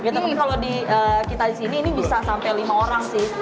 gitu mungkin kalau di kita di sini ini bisa sampai lima orang sih